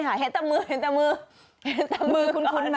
เห็นแต่มือ